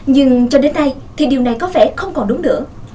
nhưng cho đến nay thì điều này có vẻ không còn đúng nữa